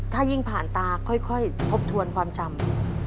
ถ้ายิ่งผ่านตาค่อยทบทวนความจำ